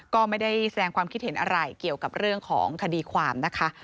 ก็ไม่ได้แสดงความคิดเห็นอะไรเกี่ยวกับเรื่องของคดีความนะคะ